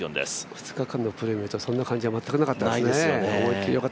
２日間のプレー見るとそんな感じ全くなかったですね。